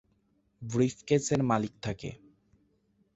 ব্রিফকেসের মালিক থাকে।